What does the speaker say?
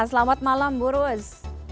selamat malam bu rus